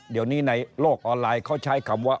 เดี๋ยวนี้ในโลกออนไลน์เขาใช้คำว่า